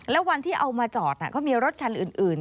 แล้ววันที่เอามาจอดก็มีรถคันอื่น